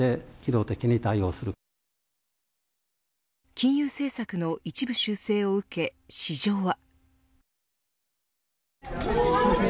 金融政策の一部修正を受け市場は。